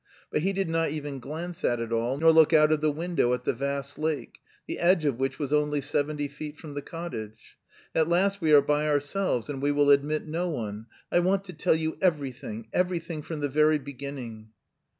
But he did not even glance at it all, nor look out of the window at the vast lake, the edge of which was only seventy feet from the cottage. "At last we are by ourselves and we will admit no one! I want to tell you everything, everything from the very beginning."